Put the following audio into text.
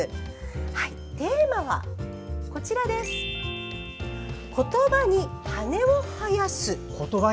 テーマは「言葉に羽をはやす」。